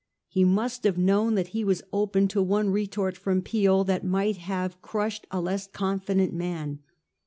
He must have known that he was open to one retort from Peel that might have crushed a less confident man.